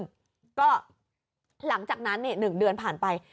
อันนี้ตอนเอาขึ้นเอาขึ้นก็หลังจากนั้น๑เดือนผ่านไป